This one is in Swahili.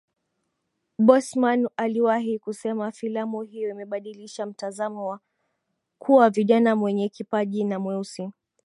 Boseman aliwahi kusema filamu hiyo imebadilisha mtazamo wa kuwa kijana mwenye kipaji na mweusi